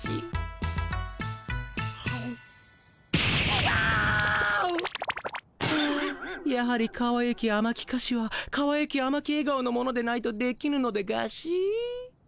はあやはりかわゆきあまきかしはかわゆきあまきえ顔の者でないとできぬのでガシ？